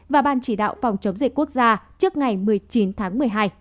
và ban chỉ đạo phòng chống dịch quốc gia trước ngày một mươi chín tháng một mươi hai